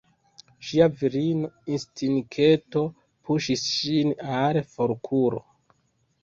Ŝia virina instinkto puŝis ŝin al forkuro.